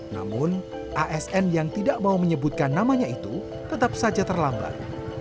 namun asn yang tidak mau menyebutkan namanya itu tetap saja terlambat